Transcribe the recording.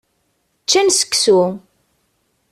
Ččan seksu.